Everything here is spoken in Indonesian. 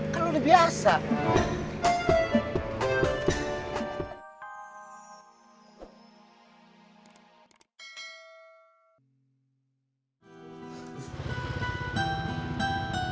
kalau lo udah biasa